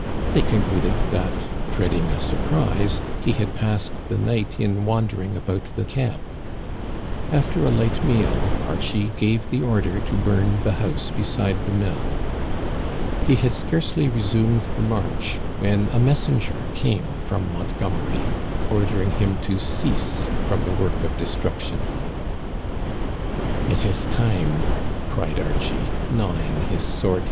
They concluded that, dreading a surprise, he had passed the night in wandering about the camp. After a light meal, Archie gave the order to bum the house beside the mill. He had scarcely resumed the march when a messenger came from Montgomery, ordering him to cease from the work of destruction. '* It is time !